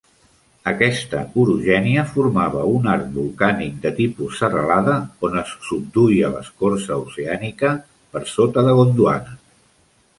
Aquesta orogènia formava un arc volcànic de tipus serralada on es subduïa l'escorça oceànica per sota de Gondwana.